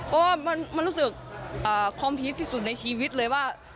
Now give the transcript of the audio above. เพราะว่ามันรู้สึกคอมพีชที่สุดในชีวิตเลยว่า